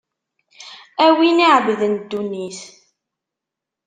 A win iɛebbden ddunit.